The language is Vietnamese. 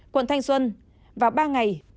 quận thanh xuân vào ba ngày